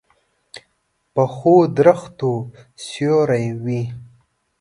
پخو درختو سیوری وي